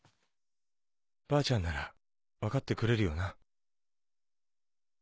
ばあちゃんなら分かってくれるよな。